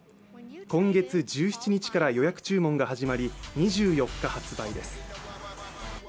今月１７日から予約中もんが始まり、２４日発売です。